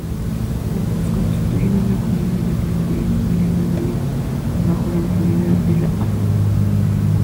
Juntos constituyen una comunidad espiritual y familiar bajo la autoridad del abad.